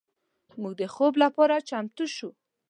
موږ د خوب لپاره چمتو شو.